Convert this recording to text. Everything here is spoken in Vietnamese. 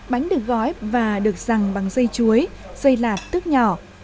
bánh được gói và được răng bằng dây chuối dây lạt tước nhỏ